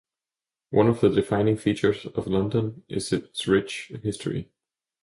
One of the defining features of London is its rich history.